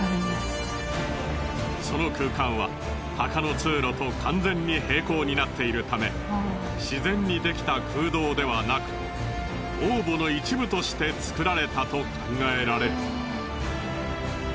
その空間は墓の通路と完全に平行になっているためしぜんにできた空洞ではなく王墓の一部として造られたと考えられる。